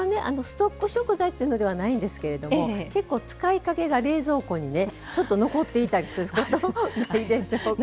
ストック食材というのではないんですけれども結構使いかけが冷蔵庫にねちょっと残っていたりすることないでしょうか。